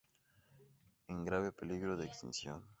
En grave peligro de extinción.